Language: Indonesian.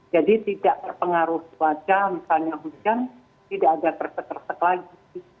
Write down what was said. jadi tidak terpengaruh wajah misalnya hujan tidak ada tersek tersek lagi